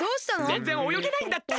ぜんぜんおよげないんだった。